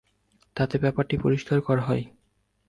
তাতে ব্যাপারটি পরিষ্কার করা হয়।